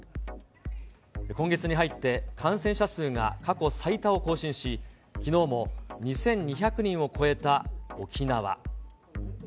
今月に入って感染者数が過去最多を更新し、きのうも２２００人を超えた沖縄。